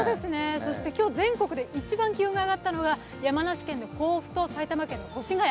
そして今日、全国で一番気温が上がったのが山梨県の甲府と、埼玉県の越谷。